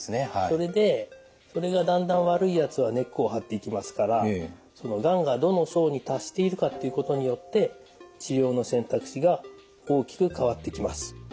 それでそれがだんだん悪いやつは根っこを張っていきますからそのがんがどの層に達しているかっていうことによって治療の選択肢が大きく変わってきます。